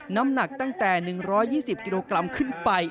น้ำหนักตั้งแต่๑๒๐กิโลกรัมขึ้นไป